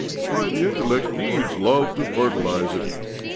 Why, the intellect needs love to fertilize it.